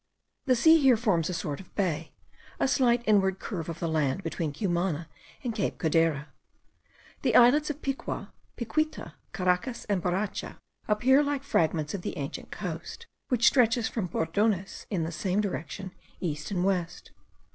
The sea here forms a sort of bay, a slight inward curve of the land between Cumana and Cape Codera. The islets of Picua, Picuita, Caracas, and Boracha, appear like fragments of the ancient coast, which stretches from Bordones in the same direction east and west.